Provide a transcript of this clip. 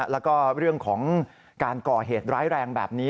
แล้วก็เรื่องของการก่อเหตุร้ายแรงแบบนี้